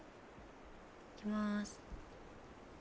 いきます。